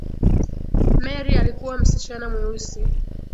Mary alikuwa msichana mweusi